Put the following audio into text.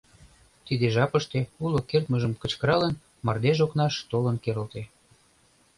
Тиде жапыште, уло кертмыжым кычкыралын, мардеж окнаш толын керылте.